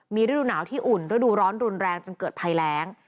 มีฤดูหนาวที่อุ่นฤดูร้อนรุนแรงจนเกิดภัยแรง